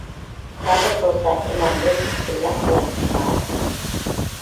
سادىر بولسا ئىمامدىن، بىللە قىلار جامائەت.